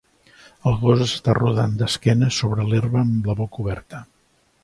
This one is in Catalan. El gos està rodant d'esquena sobre l'herba amb la boca oberta.